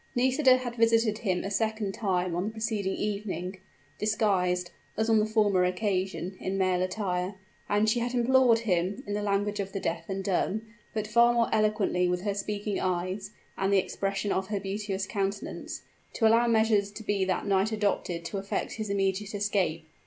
Nisida had visited him a second time on the preceding evening disguised, as on the former occasion, in male attire; and she had implored him, in the language of the deaf and dumb, but far more eloquently with her speaking eyes and the expression of her beauteous countenance, to allow measures to be that night adopted to effect his immediate escape.